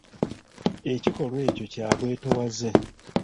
Ekikolwa ekyo kya bwetoowaze.